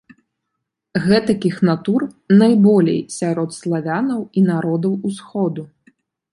Гэтакіх натур найболей сярод славянаў і народаў Усходу.